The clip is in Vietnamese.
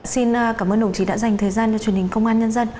xin cảm ơn đồng chí đã dành thời gian cho truyền hình công an nhân dân